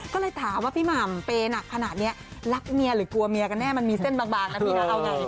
ก็เลยถามว่าพี่หม่ำเปย์หนักขนาดนี้รักเมียหรือกลัวเมียกันแน่มันมีเส้นบางนะพี่นะเอาไง